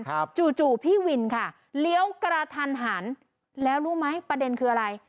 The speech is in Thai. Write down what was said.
จู่จู่พี่วินค่ะเลี้ยวกระทันหันแล้วรู้ไหมประเด็นคืออะไร